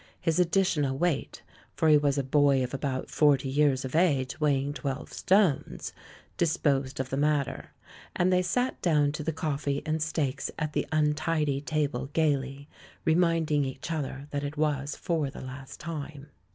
His additional weight — for he was a "boy" of about forty years of age, weighing twelve stones — disposed of the matter; and they sat down to the coffee and steaks at the untidy table gaily, reminding each other that it was for the last time.